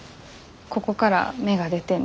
ここから芽が出てね